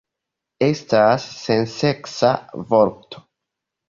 Estas senseksa vorto.